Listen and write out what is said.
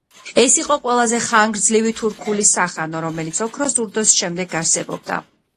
ეს იყო ყველაზე ხანგრძლივი თურქული სახანო, რომელიც ოქროს ურდოს შემდეგ არსებობდა.